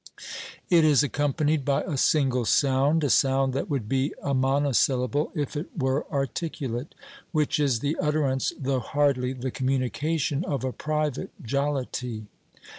It is accompanied by a single sound a sound that would be a monosyllable if it were articulate which is the utterance, though hardly the communication, of a private jollity.